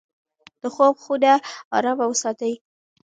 د خوب خونه ارامه وساتئ.